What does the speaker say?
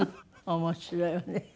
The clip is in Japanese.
面白いわね。